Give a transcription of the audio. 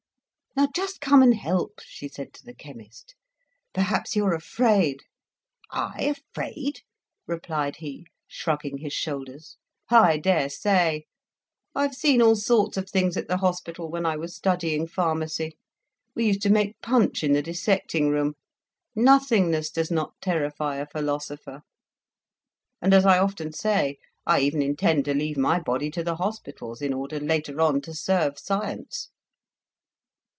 "Now, just come and help," she said to the chemist. "Perhaps you're afraid?" "I afraid?" replied he, shrugging his shoulders. "I dare say! I've seen all sorts of things at the hospital when I was studying pharmacy. We used to make punch in the dissecting room! Nothingness does not terrify a philosopher; and, as I often say, I even intend to leave my body to the hospitals, in order, later on, to serve science."